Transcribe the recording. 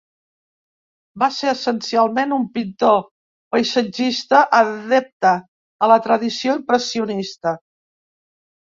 Va ser, essencialment, un pintor paisatgista adepte a la tradició impressionista.